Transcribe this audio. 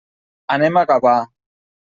Anem a Gavà.